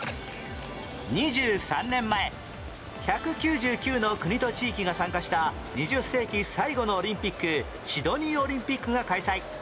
２３年前１９９の国と地域が参加した２０世紀最後のオリンピックシドニーオリンピックが開催